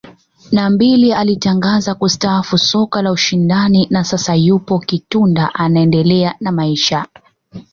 na mbili alitangaza kustaafu soka la ushindani na sasa yupo Kitunda anaendelea na maisha